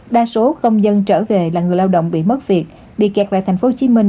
đa số công dân trở về là người lao động bị mất việc bị kẹt lại thành phố hồ chí minh